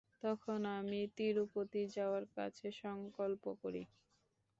তখন আমি তিরুপতি যাওয়ার কাছে সঙ্কল্প করি।